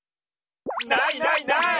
ないないない。